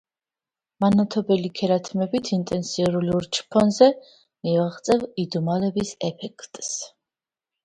მანათობელი ქერა თმებით ინტენსიურ ლურჯ ფონზე მივაღწევ იდუმალების ეფექტს